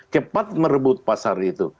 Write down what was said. cepat merebut pasar itu